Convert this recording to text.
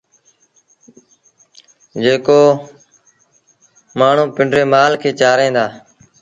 جيڪو مڻهون پنڊري مآل کي چآرين دآ